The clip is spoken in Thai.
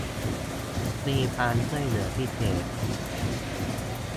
มีความช่วยเหลือพิเศษ